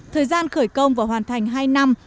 thời gian khởi công và hoàn thành hai năm